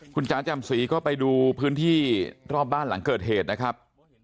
คุณจ๋าจำศรีก็ไปดูพื้นที่รอบบ้านหลังเกิดเหตุนะครับ